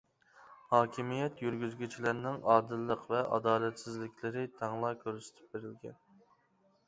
ھاكىمىيەت يۈرگۈزگۈچىلەرنىڭ ئادىللىق ۋە ئادالەتسىزلىكلىرى تەڭلا كۆرسىتىپ بېرىلگەن.